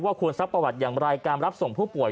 ควรซักประวัติอย่างไรการรับส่งผู้ป่วย